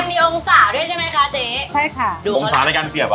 ผมได้แต่ผมกลัวปลาพี่จะไปซวยกัน